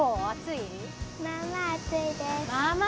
まあまあ暑いです。